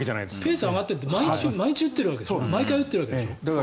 ペース上がっていって毎日打ってるわけでしょ毎回打ってるわけでしょ。